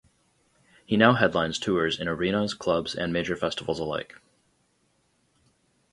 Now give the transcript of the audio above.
He now headlines tours in arenas, clubs and major festivals alike.